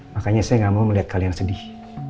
makanya saya gak mau melihat kalian sedih